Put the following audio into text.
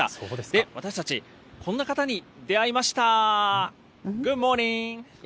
で、私たち、こんな方に出会いました。